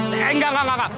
enggak enggak enggak